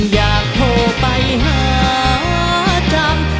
อยากโทรไปหาจำ